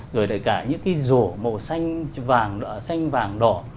rồi để cả những cái rổ màu xanh vàng xanh vàng đỏ